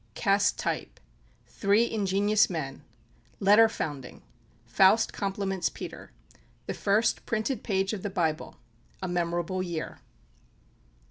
Cast Type. Three Ingenious Men. Letter founding. Faust compliments Peter. The First Printed Page of the Bible. A Memorable Year.